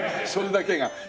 それだけが。